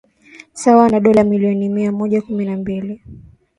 sawa na dola milioni mia mmoja kumi na mbili